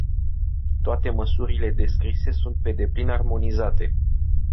Toate măsurile descrise sunt pe deplin armonizate.